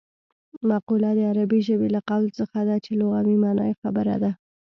مقوله د عربي ژبې له قول څخه ده چې لغوي مانا یې خبره ده